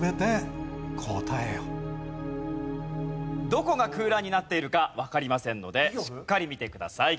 どこが空欄になっているかわかりませんのでしっかり見てください。